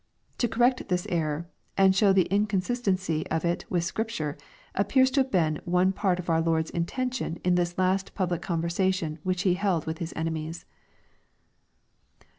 To correct this error, and show the inconsistency of it with Scripture, appears to have been one part of our Lord's intention in this last public conversation which He held with Hia enemies.